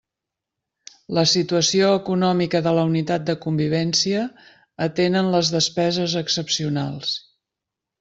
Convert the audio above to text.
La situació econòmica de la unitat de convivència, atenen les despeses excepcionals.